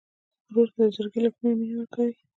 ورور ته د زړګي له کومي مینه ورکوې.